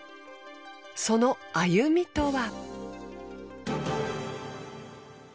その歩みとは。